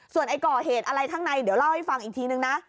ส่วนไอ้ก่อเหตุอะไรข้างในเดี๋ยวเล่าให้ฟังอีกทีนึงนะ